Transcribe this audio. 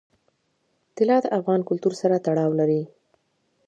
طلا د افغان کلتور سره تړاو لري.